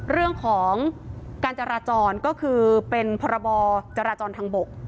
เรื่องของการจราจรก็คือเป็นพรบจราจรทางบก